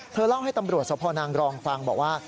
เล่าให้ตำรวจสพนางรองฟังบอกว่า